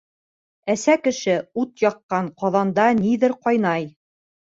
Әсә кеше ут яҡҡан, ҡаҙанда ниҙер ҡайнай.